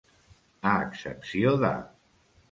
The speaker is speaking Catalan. A excepció de.